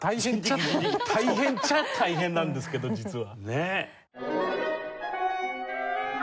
大変っちゃあ大変なんですけど実は。